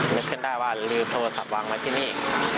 นึกขึ้นได้ว่าลืมโทรศัพท์วางไว้ที่นี่